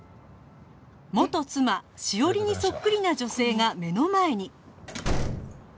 元妻史織にそっくりな女性が目の前に